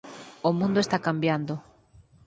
O mundo está cambiando.